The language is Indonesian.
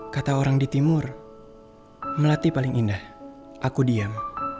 kata orang di timur melati paling indah aku diam